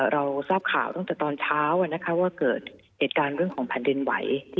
เราทราบข่าวตั้งแต่ตอนเช้าว่าเกิดเหตุการณ์เรื่องของแผ่นดินไหว